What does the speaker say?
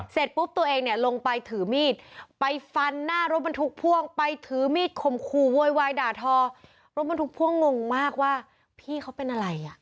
เสร็จปุ๊บตัวเองเนี่ยลงไปถือมีดไปฟันหน้ารถบรรทุกพ่วงไปถือมีดคมคู่โวยวายด่าทอรถบรรทุกพ่วงงงมากว่าพี่เขาเป็นอะไรอ่ะ